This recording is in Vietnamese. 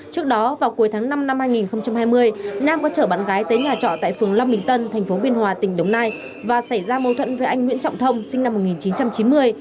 trước đó vào cuối tháng năm năm hai nghìn hai mươi nam có chở bạn gái tới nhà trọ tại phường long bình tân tp biên hòa tỉnh đồng nai và xảy ra mâu thuẫn với anh nguyễn trọng thông sinh năm một nghìn chín trăm chín mươi